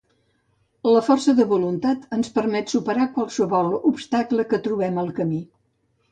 La força de voluntat ens permet superar qualsevol obstacle que trobem al camí.